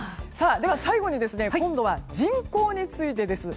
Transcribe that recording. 最後に今度は人口についてです。